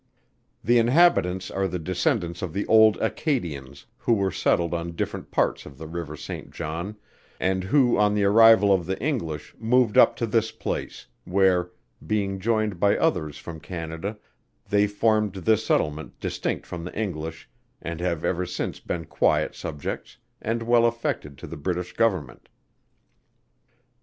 The inhabitants are the descendants of the old Acadians, who were settled on different parts of the river St. John, and who on the arrival of the English moved up to this place, where, being joined by others from Canada, they formed this settlement distinct from the English, and have ever since been quiet subjects, and well affected to the British Government.